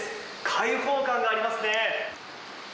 開放感がありますね。